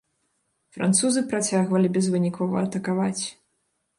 Французы працягвалі безвынікова атакаваць.